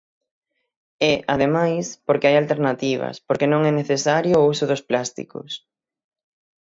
E, ademais, porque hai alternativas, porque non é necesario o uso dos plásticos.